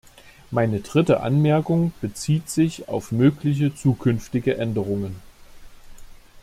Meine dritte Anmerkung bezieht sich auf mögliche zukünftige Änderungen.